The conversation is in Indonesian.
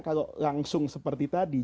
kalau langsung seperti tadi